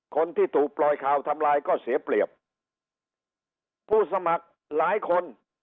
คนที่ถูกปล่อยข่าวทำลายก็เสียเปรียบผู้สมัครหลายคน